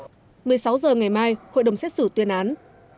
một mươi sáu h ngày mai hội đồng xét xử tuyên án